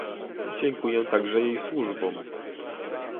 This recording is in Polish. Dziękuję także jej służbom